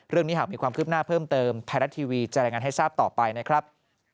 เรื่องนี้หากมีความคืบหน้าเพิ่มเติมไทยรัฐทีวีจะรายงานให้ทราบต่อไปนะครับ